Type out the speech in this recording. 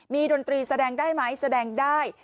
ดนตรีแสดงได้ไหมแสดงได้